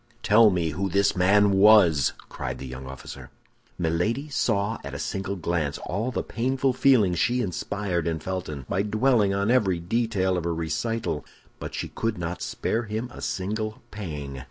"Tell me who this man was!" cried the young officer. Milady saw at a single glance all the painful feelings she inspired in Felton by dwelling on every detail of her recital; but she would not spare him a single pang.